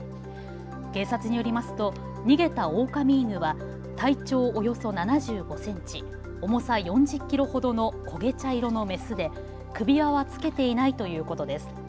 警察によりますと逃げたオオカミ犬は体長およそ７５センチ、重さ４０キロほどの焦げ茶色のメスで首輪はつけていないということです。